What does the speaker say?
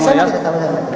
saya tidak tahu